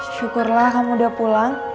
syukurlah kamu udah pulang